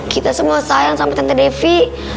kita semua sayang sama tante devi